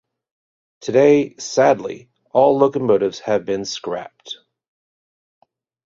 Today Sadly all locomotives have been Scrapped.